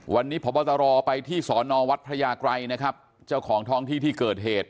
วันนี้พบตรไปที่สอนอวัดพระยากรัยนะครับเจ้าของท้องที่ที่เกิดเหตุ